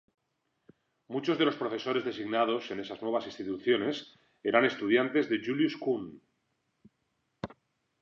Muchos de los profesores designados en esas nuevas instituciones eran estudiantes de Julius Kühn.